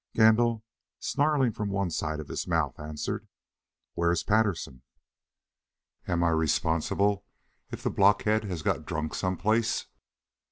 Gandil, snarling from one side of his mouth, answered: "Where's Patterson?" "Am I responsible if the blockhead has got drunk someplace?"